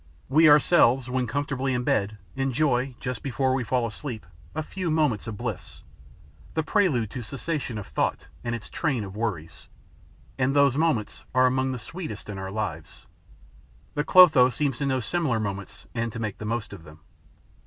We ourselves, when comfortably in bed, enjoy, just before we fall asleep, a few moments of bliss, the prelude to cessation of thought and its train of worries; and those moments are among the sweetest in our lives. The Clotho seems to know similar moments and to make the most of them.